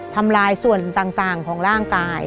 ทำลายส่วนต่างของร่างกาย